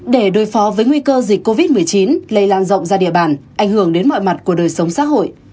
để đối phó với nguy cơ dịch covid một mươi chín lây lan rộng ra địa bàn ảnh hưởng đến mọi mặt của đời sống xã hội